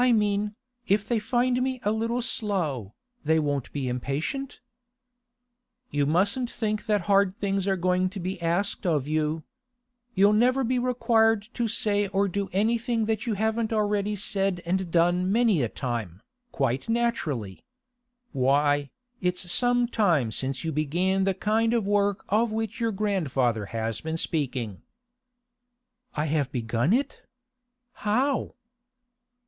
I mean, if they find me a little slow, they won't be impatient?' 'You mustn't think that hard things are going to be asked of you. You'll never be required to say or do anything that you haven't already said and done many a time, quite naturally. Why, it's some time since you began the kind of work of which your grandfather has been speaking.' 'I have begun it? How?